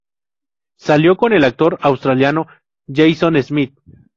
Salió con el actor australiano Jason Smith.